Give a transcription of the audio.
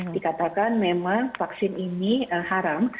dikatakan memang vaksin ini haram